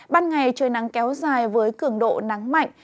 ban ngày trời nắng kéo dài với cường độ nắng mạnh